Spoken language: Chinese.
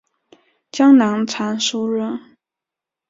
江南常熟人。